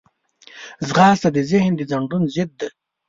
ځغاسته د ذهن د خنډونو ضد ده